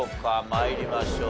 参りましょう。